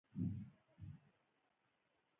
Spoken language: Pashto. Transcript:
احمد په ستونزو او کړاونو کې ټکېدلی دی.